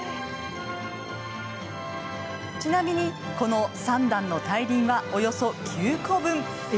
ちなみにこの３段の大輪はおよそ９個分。